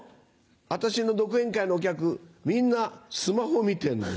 私の独演会のお客みんなスマホ見てんです。